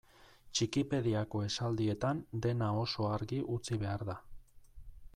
Txikipediako esaldietan dena oso argi utzi behar da.